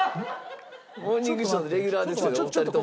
『モーニングショー』のレギュラーですよお二人とも。